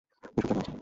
ওসব জানা আছে।